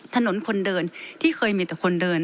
ถนนคนเดินที่เคยมีแต่คนเดิน